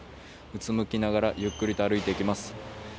うつむきながら、ゆっくりと歩いていきます。